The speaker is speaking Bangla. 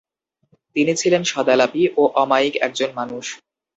তিনি ছিলেন সদালাপী ও অমায়িক একজন মানুষ।